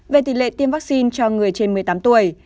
về tỷ lệ tiêm vaccine cho người trên một mươi tám tuổi